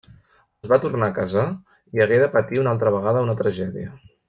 Es va tornar a casar i hagué de patir una altra vegada una tragèdia.